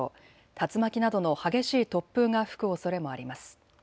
竜巻などの激しい突風が吹くおそれもあります。